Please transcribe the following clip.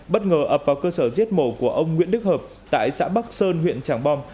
bất ngờ ập vào cơ sở giết mổ của ông nguyễn đức hợp tại xã bắc sơn huyện tràng bom